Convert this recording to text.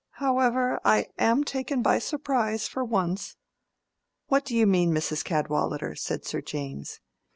However, I am taken by surprise for once." "What do you mean, Mrs. Cadwallader?" said Sir James.